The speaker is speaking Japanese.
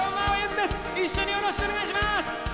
一緒によろしくお願いします。